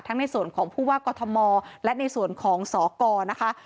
ในส่วนของผู้ว่ากอทมและในส่วนของสกนะคะ